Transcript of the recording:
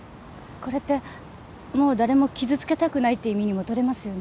これってもう誰も傷つけたくないって意味にもとれますよね？